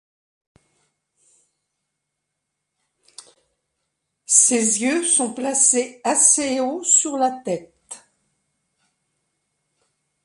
Ses yeux sont placés assez haut sur la tête.